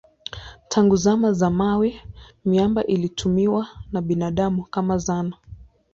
Tangu zama za mawe miamba ilitumiwa na binadamu kama zana.